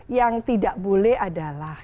yang tidak boleh adalah